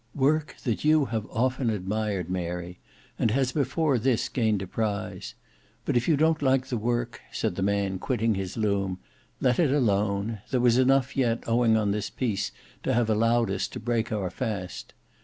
"Work that you have often admired, Mary; and has before this gained a prize. But if you don't like the work," said the man quitting his loom, "let it alone. There was enough yet owing on this piece to have allowed us to break our fast.